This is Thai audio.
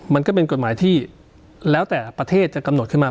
มันก็เป็นกฎหมายที่แล้วแต่ประเทศจะกำหนดขึ้นมา